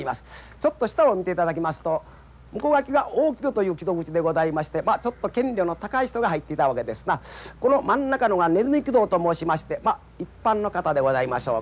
ちょっと下を見ていただきますと向こう脇は大木戸という木戸口でございましてちょっと見料の高い人が入っていたわけですがこの真ん中のが鼠木戸と申しまして一般の方でございましょうか。